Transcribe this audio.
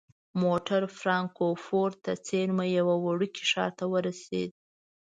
موټر فرانکفورت ته څیرمه یوه وړوکي ښار ته ورسید.